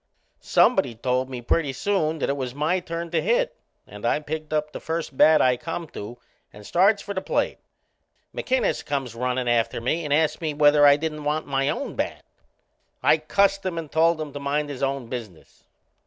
Somebody told me pretty soon that it was my turn to hit and I picked up the first bat I come to and starts for the plate. McInnes come runnin' after me and ast me whether I didn't want my own bat. I cussed him and told him to mind his own business.